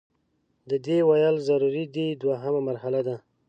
د دې ویل ضروري دي دوهمه مرحله ده.